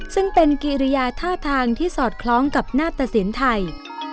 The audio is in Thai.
ซึ่งเป็นกิริยาท่าทางที่สอดคล้องกับหน้าตะสินไทย